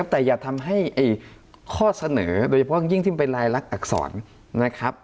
แต่อย่าทำให้ข้อเสนอโดยเฉพาะยิ่งที่เป็นรายลักษณอักษรนะครับ